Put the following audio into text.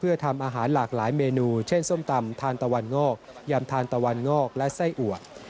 เพื่อทำอาหารหลากหลายเมนูเช่นส้มตำทานตะวันงอกยำทานตะวันงอกและไส้อัว